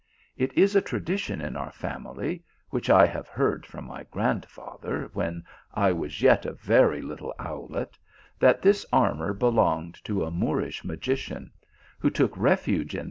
It is a tradition in our family, which I have heard from my grandfather when I was yet but a very little owlet, that this armour be longed to a Moorish magician, who took refuge in.